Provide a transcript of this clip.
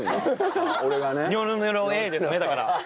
ニョロニョロＡですねだから。